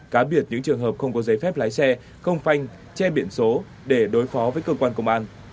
cá biệt những trường hợp không có giấy phép lái xe không phanh che biển số để đối phó với cơ quan công an